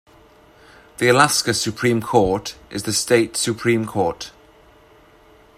The Alaska Supreme Court is the state supreme court.